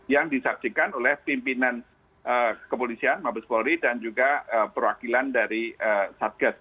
yang disaksikan oleh pimpinan kepolisian mabes polri dan juga perwakilan dari satgas